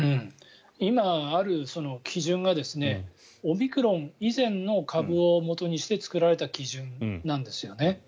今ある基準がオミクロン以前の株をもとにして作られた基準なんですよね。